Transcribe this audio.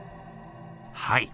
はい。